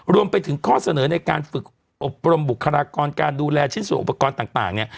รวมไปถึงข้อเสนอในการฝึกอบรมบุคลากรการดูแลชิ้นส่วนอุปกรณ์ต่างเนี่ย